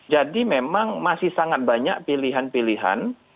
jadi memang masih sangat banyak pilihan pilihan